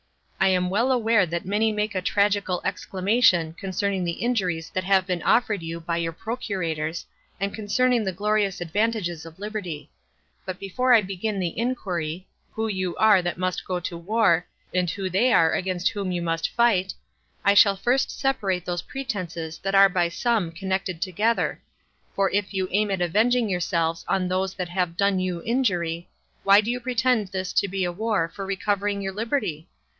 I am well aware that many make a tragical exclamation concerning the injuries that have been offered you by your procurators, and concerning the glorious advantages of liberty; but before I begin the inquiry, who you are that must go to war, and who they are against whom you must fight, I shall first separate those pretenses that are by some connected together; for if you aim at avenging yourselves on those that have done you injury, why do you pretend this to be a war for recovering your liberty?